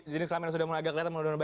jenis kelamin yang sudah munagak kelihatan